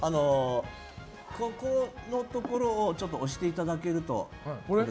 ここのところを押していただけると。